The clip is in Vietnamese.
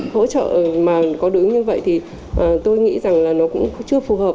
hỗ trợ mà có đối ứng như vậy thì tôi nghĩ rằng là nó cũng chưa phù hợp